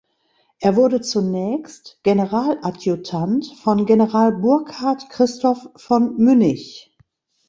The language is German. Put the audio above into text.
Er wurde zunächst Generaladjutant von General Burkhard Christoph von Münnich.